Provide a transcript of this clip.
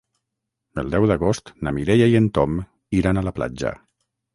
El deu d'agost na Mireia i en Tom iran a la platja.